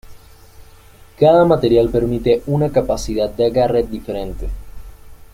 Cada material permite una capacidad de agarre diferente.